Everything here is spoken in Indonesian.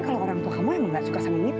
ya tuhan terima kasih